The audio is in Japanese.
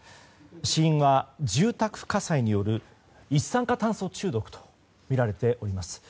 死因は住宅火災による一酸化炭素中毒とみられております。